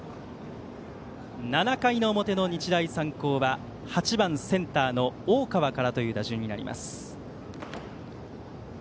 ７回の表の日大三高は８番センターの大川からという打順になります。